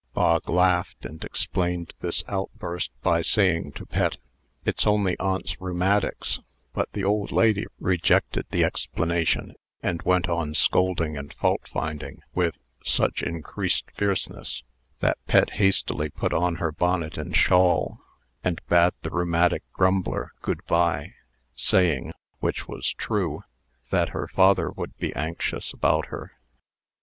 Bog laughed, and explained this outburst, by saying to Pet, "It's only aunt's rheumatics;" but the old lady rejected the explanation, and went on scolding and faultfinding with such increased fierceness, that Pet hastily put on her bonnet and shawl, and bade the rheumatic grumbler "good by," saying (which was true) that her father would be anxious about her.